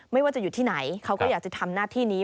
ไม่ว่าจะอยู่ที่ไหนเขาก็อยากจะทำหน้าที่นี้